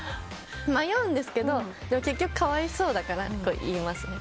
迷うんですけど結局、可哀想だから言います。